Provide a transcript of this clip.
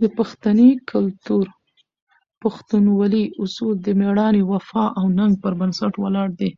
د پښتني کلتور "پښتونولي" اصول د مېړانې، وفا او ننګ پر بنسټ ولاړ دي.